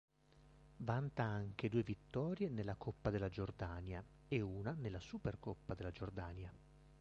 Vanta anche due vittorie nella Coppa della Giordania e una nella Supercoppa della Giordania.